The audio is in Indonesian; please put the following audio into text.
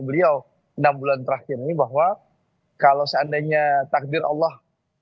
beliau enam bulan terakhir ini bahwa kalau seandainya takdir allah